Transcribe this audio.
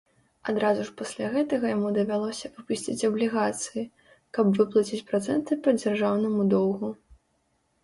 Адразу ж пасля гэтага яму давялося выпусціць аблігацыі, каб выплаціць працэнты па дзяржаўнаму доўгу.